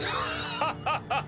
ハハハハ！